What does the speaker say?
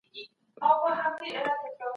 د بې کوره خلګو لپاره باید سرپناه جوړه سي.